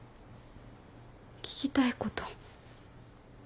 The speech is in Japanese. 聞きたいこと？